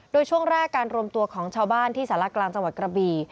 โดยช่วงแรกการรวมตัวของชาวบ้านที่สารกลางจังหวัดกระบี